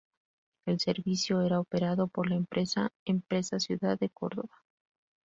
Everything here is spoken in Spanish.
El servicio era operado por la empresa Empresa Ciudad de Córdoba.